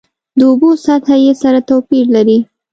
د اوبو سطحه یې سره توپیر لري.